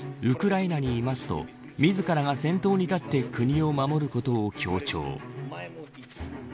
ウクライナにいますと自らが先頭に立って国を守ることを強調。